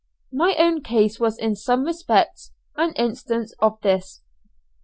My own case was in some respects an instance of this.